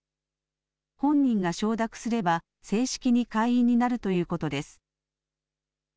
本人が承諾すれば正式に会員になるということです。